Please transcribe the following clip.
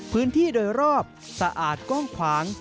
พื้นที่โดยรอบสะอาดกว้างขวาง